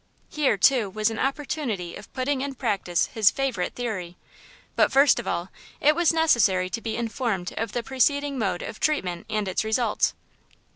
Here, too, was an opportunity of putting in practice his favorite theory; but first of all it was necessary to be informed of the preceding mode of treatment and its results.